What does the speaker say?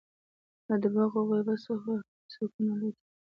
له درواغو او غیبت څخه سکون الوتی وي